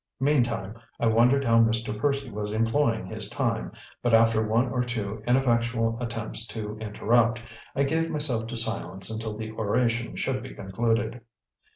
Meantime, I wondered how Mr. Percy was employing his time, but after one or two ineffectual attempts to interrupt, I gave myself to silence until the oration should be concluded.